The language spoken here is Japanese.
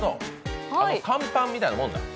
乾パンみたいなもんだ。